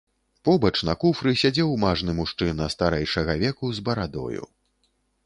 Побач на куфры сядзеў мажны мужчына старэйшага веку з барадою.